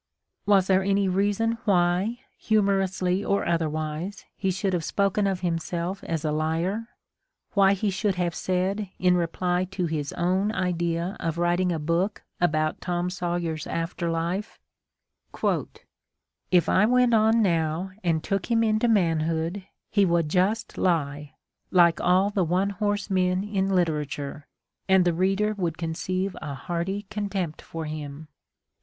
Was there any reason why, humorously or otherwise, he should have spoken of himself as a liar, why he should have said, in reply to his own idea of writing a book about Tom Sawyer's after life: "If I went on now and took him into manhood, he would just lie, like all the one horse men in literature, and the reader would conceive a hearty contempt for him"?